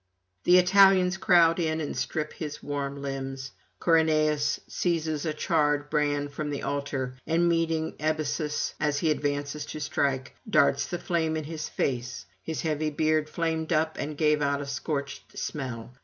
_ The Italians crowd in and strip his warm limbs. Corynaeus seizes a charred brand from the altar, and meeting Ebysus as he advances to strike, darts the flame in his face; his heavy beard flamed up, and gave out a scorched smell.